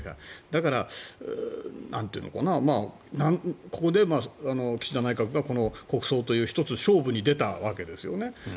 だから、ここで岸田内閣が国葬という１つ勝負に出たわけですよね。